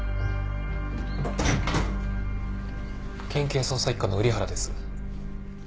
県警捜査一課の瓜原です。